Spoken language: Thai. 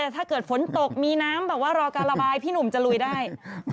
ถ้าเกิดฝนตกมีน้ำแบบว่ารอการระบายพี่หนุ่มจะลุยได้